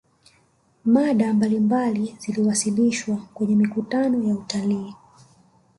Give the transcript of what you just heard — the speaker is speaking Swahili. mada mbalimbali ziliwasilishwa kwenye mikutano ya utalii